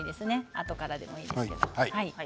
あとからでもいいですけど。